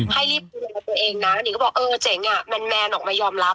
ให้รีบดูแลตัวเองนะนิงก็บอกเออเจ๋งอ่ะแมนออกมายอมรับ